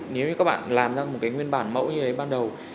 nếu như các bạn làm ra một cái nguyên bản mẫu như đấy ban đầu